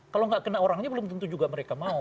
kalau nggak kena orangnya belum tentu juga mereka mau